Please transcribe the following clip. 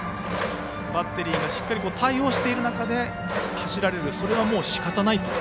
バッテリーがしっかり対応している中で走られる、それはしかたないと。